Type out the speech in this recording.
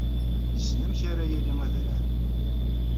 Yessen amek ara yaley adrar.